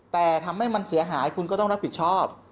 แต่ทำให้มันเสียหายคุณก็ต้องรับผิดชอบ